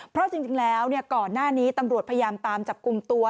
เพราะจริงแล้วก่อนหน้านี้ตำรวจพยายามตามจับกลุ่มตัว